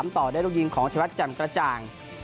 ต่อได้ลูกยิงของเฉวัติแจ่มกระจ่าง